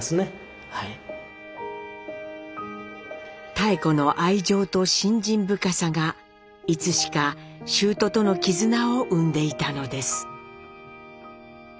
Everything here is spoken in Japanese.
妙子の愛情と信心深さがいつしか舅との絆を生んでいたのです。